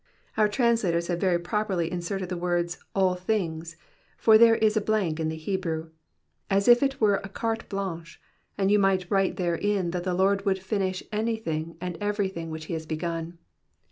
Our translators have very properly inserted the words, ^* all thin^," for there is a blank in the Hebrew, as if it were a carte blanche, and you might write therein that the Lord would finish anything and everything which he has beguu.